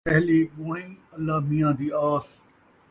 پہلی ٻوہݨی، اللہ میاں دی آس